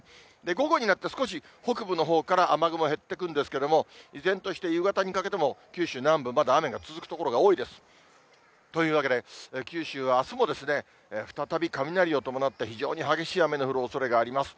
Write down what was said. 午後になって少し北部のほうから雨雲減っていくんですけれども、依然として夕方にかけても九州南部、まだ雨が続く所が多いです。というわけで、九州はあすも再び、雷を伴った非常に激しい雨の降るおそれがあります。